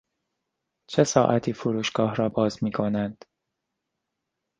چه ساعتی فروشگاه را باز میکنند؟